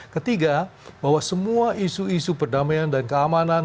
ketiga bahwa semua isu isu perdamaian dan keamanan